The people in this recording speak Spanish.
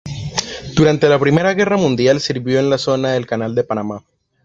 Durante la Primera Guerra Mundial sirvió en la Zona del Canal de Panamá.